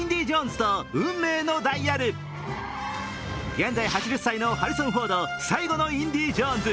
現在８０歳のハリソン・フォード、最後のインディ・ジョーンズ。